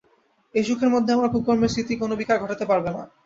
এ সুখের মধ্যে আমার কুকর্মের স্মৃতি কোনো বিকার ঘটাতে পারবে না।